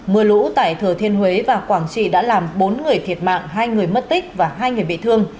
mưa lũ tại thừa thiên huế và quảng trị đã làm bốn người thiệt mạng hai người mất tích và hai người bị thương